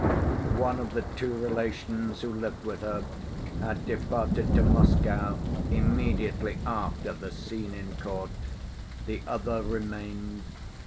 One of the two relations who lived with her had departed to Moscow immediately after the scene in court, the other remained.